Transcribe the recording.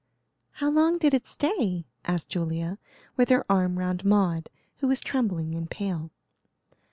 "How long did it stay?" asked Julia, with her arm round Maud, who was trembling and pale.